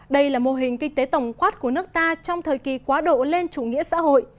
đây là mô hình kinh tế tổng quát của nước ta trong thời kỳ quá độ lên chủ nghĩa xã hội